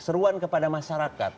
seruan kepada masyarakat